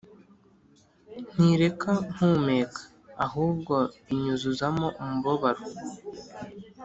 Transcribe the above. ntireka mpumeka, ahubwo inyuzuzamo umubabaro